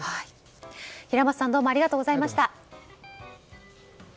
平松さんどうもありがとうございました。